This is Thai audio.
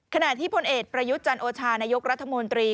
ขณะที่พลเอกประยุทธ์จันโอชานายกรัฐมนตรี